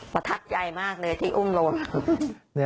ประทับใจมากเลยที่อุ้มลง